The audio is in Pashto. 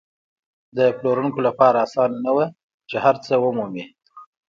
د پلورونکو لپاره اسانه نه وه چې هر څه ومومي.